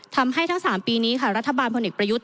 ทำให้ทั้ง๓ปีนี้รัฐบาลพลนิกประยุทธ์